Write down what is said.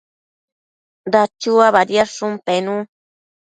Dachua badiadshun pennu